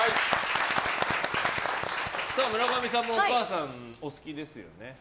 村上さんもお母さんお好きですよね。